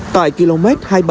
tại km hai mươi bảy một trăm linh